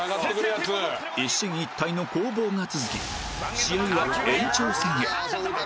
一進一退の攻防が続き試合は延長戦へ